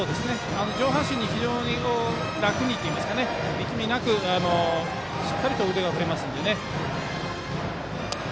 上半身を非常に楽に力みなく、しっかりと腕が振れますので。